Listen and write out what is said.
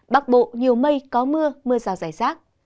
bắc bộ nhiều mây có mưa mưa rào rải rác